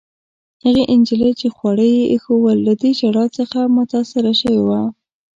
هغې نجلۍ، چي خواړه يې ایښوول، له دې ژړا څخه متاثره شوې وه.